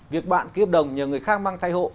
việc bạn kiếp đồng nhờ người khác mang thai hộ